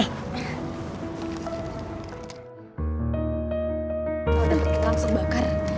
kalau dapet langsung bakar